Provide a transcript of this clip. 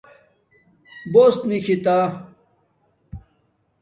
پݸس نکھتہ